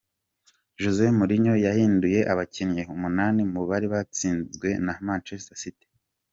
Jose Mourinho yahinduye abakinyi umunani mubari batsinzwe na Manchester City.